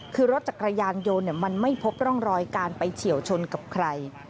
คือรถจักรยานยนต์มันไม่พบร่องรอยการไปเฉียวชนกับใคร